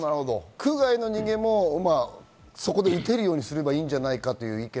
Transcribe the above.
区外の人間もそこで打てるようにすればいいんじゃないかということに。